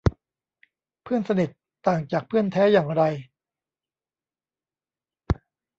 เพื่อนสนิทต่างจากเพื่อนแท้อย่างไร